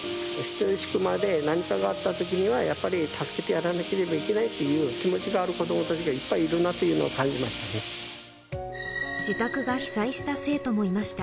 人吉球磨で、何かがあったときにはやっぱり助けてやらなければいけないという気持ちがある子どもたちがいっぱいいるなということを感じました